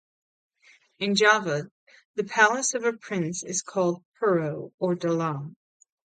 In Java, the palace of a prince is called "puro" or "dalem".